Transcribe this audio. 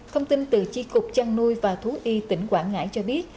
thông tin từ tri cục chăn nuôi và thú y tỉnh quảng ngãi cho biết